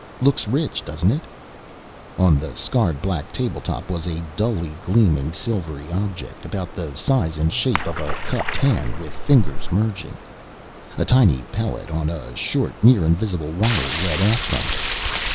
Looks rich, doesn't it?" On the scarred black tabletop was a dully gleaming silvery object about the size and shape of a cupped hand with fingers merging. A tiny pellet on a short near invisible wire led off from it.